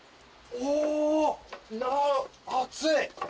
お熱い。